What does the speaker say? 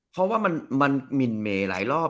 เพราะว่ามันหมินเมหลายรอบ